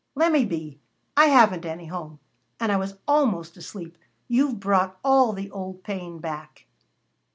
"Lemme be. I haven't any home. And I was almost asleep. You've brought all the old pain back."